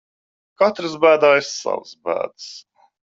Katrs bēdājas savas bēdas.